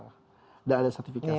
nggak ada sertifikasi